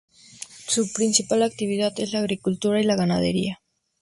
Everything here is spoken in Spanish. Su principal actividad es la agricultura y la ganadería.